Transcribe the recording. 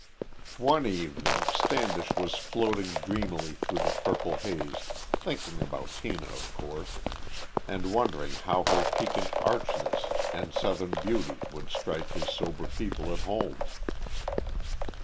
One evening Standish was floating dreamily through the purple haze, thinking about Tina of course, and wondering how her piquant archness and Southern beauty would strike his sober people at home.